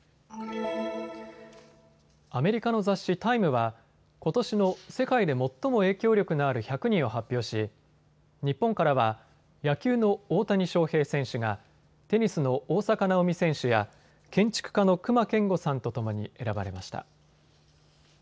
アメリカの雑誌、タイムはことしの世界で最も影響力のある１００人を発表し日本からは野球の大谷翔平選手がテニスの大坂なおみ選手や建築家の隈研吾さんとともに選ばれました。